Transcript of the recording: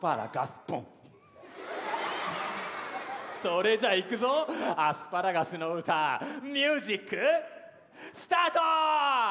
それじゃいくぞアスパラガスの歌ミュージックスタート！